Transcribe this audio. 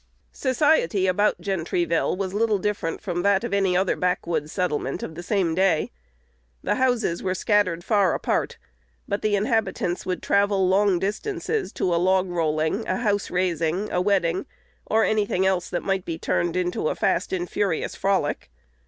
Society about Gentryville was little different from that of any other backwoods settlement of the same day. The houses were scattered far apart; but the inhabitants would travel long distances to a log rolling, a house raising, a wedding, or any thing else that might be turned into a fast and furious frolic.